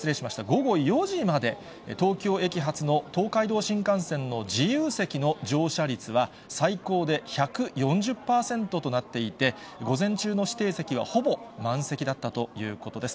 午後４時まで東京駅発の東海道新幹線の自由席の乗車率は、最高で１４０％となっていて、午前中の指定席はほぼ満席だったということです。